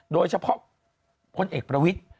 โดยเฉพาะพลเอกประวิทธิ์